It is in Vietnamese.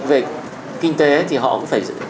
về kinh tế thì họ cũng phải